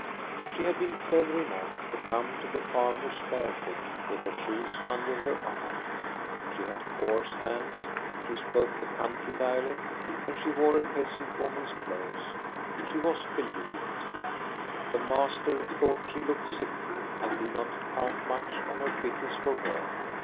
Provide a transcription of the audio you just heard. She had been clever enough to come to the farm house bare foot, with her shoes under her arm ; she had coarse hands; she spoke the country dialect; and she wore a peasant woman's clothes. She was believed. The master thought she looked sickly, and did not count much on her fitness for work.